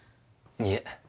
いえ。